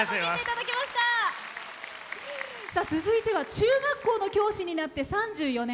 続いては中学校の教師になって３４年。